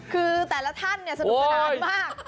คือแต่ละท่านสนุกสนานมาก